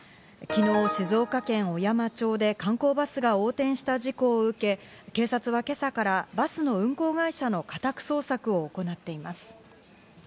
昨日、静岡県小山町で観光バスが横転した事故を受け、警察は今朝からバスの運行会社の家宅捜索を行っています。